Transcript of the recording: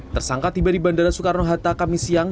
tersangka tiba di bandara soekarno hatta kami siang